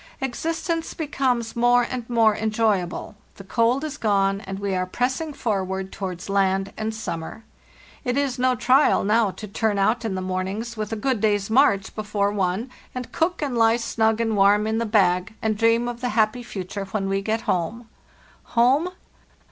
Existence becomes more and more en joyable; the cold is gone, and we are pressing forward towards land and summer. It is no trial now to turn out in the mornings, with a good day's march before o and ro) one, and cook, and lie snug and warm in the ba 180 LARTHEST NORTILT dream of the happy future when we get home. Home...?